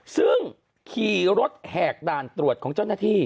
ซึ่งขี่รถแหกด่านตรวจของเจ้าหน้าที่